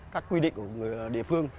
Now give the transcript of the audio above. các quy định của người địa phương